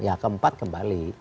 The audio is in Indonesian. ya keempat kembali